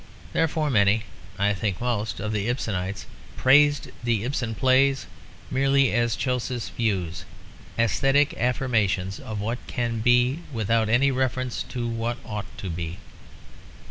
Therefore many, I think most, of the Ibsenites praised the Ibsen plays merely as choses vues, æsthetic affirmations of what can be without any reference to what ought to be.